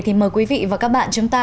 thì mời quý vị và các bạn chúng ta